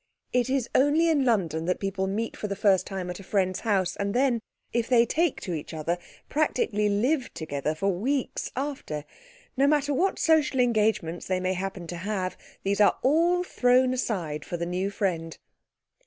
It is only in London that people meet for the first time at a friend's house, and then, if they take to each other, practically live together for weeks after. No matter what social engagements they may happen to have, these are all thrown aside for the new friend.